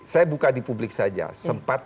saya buka di publik saja sempat